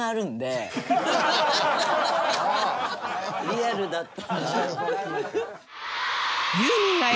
リアルだった。